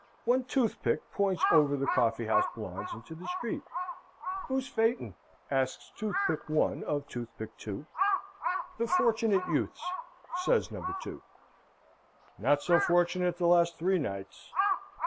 One toothpick points over the coffee house blinds into the street. "Whose phaeton?" asks Toothpick 1 of Toothpick 2. "The Fortunate Youth's," says No. 2. "Not so fortunate the last three nights.